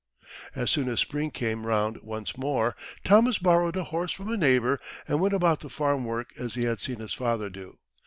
As soon as spring came round once more, Thomas borrowed a horse from a neighbour, and went about the farm work as he had seen his father do.